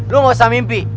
lo gak usah mimpi